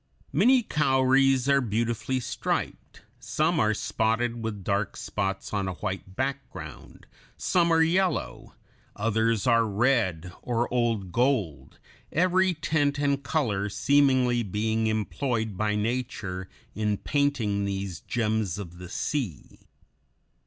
Many cowries are beautifully striped; some are spotted with dark spots on a white background; some are yellow; others are red or old gold, every tint and color seemingly being employed by nature in painting these gems of the sea.